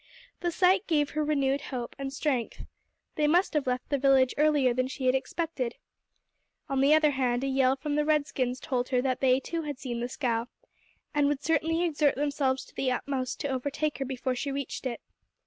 The sight gave her renewed hope and strength. They must have left the village earlier than she had expected. On the other hand, a yell from the red skins told her that they too had seen the scow, and would certainly exert themselves to the utmost to overtake her before she reached it.